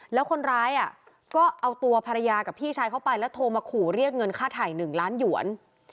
แล้วคนร้ายก็เอาตัวภรรยากับพี่ชายเข้าไปแล้วโทรมาขู่เรียกเงินค่าถ่าย๑ล้านหยวน